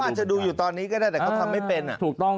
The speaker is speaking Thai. กลายถึงกดดูกว่าชาวบ้านจะดูอยุ่ตอนนี้ก็ได้แต่เขาทำไม่เป็น